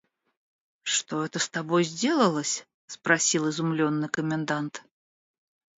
– Что это с тобою сделалось? – спросил изумленный комендант.